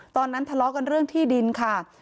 ตอนนั้นทะเลาะกันเรื่องที่ดินค่ะ